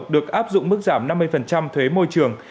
được áp dụng mức giảm năm mươi thuế môi trường